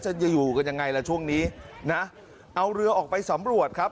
จะอยู่กันยังไงล่ะช่วงนี้นะเอาเรือออกไปสำรวจครับ